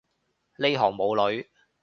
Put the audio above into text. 呢行冇女